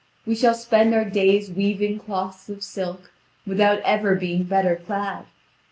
We shall spend our days weaving cloths of silk, without ever being better clad.